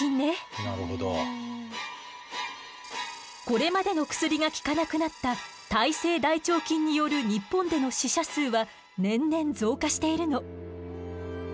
これまでの薬が効かなくなった耐性大腸菌による日本での死者数は年々増加しているの。